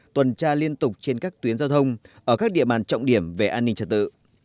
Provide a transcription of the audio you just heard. tuần tra liên tục trên các tuyến giao thông ở các địa bàn trọng điểm về an ninh trật tự